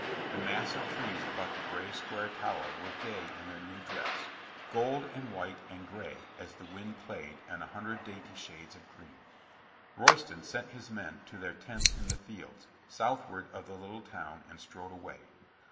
The mass of trees about the gray square tower were gay in their new dress, gold and white and gray as the wind played and a hundred dainty shades of green. Royston sent his men to their tents in the fields southward of the little town and strode away.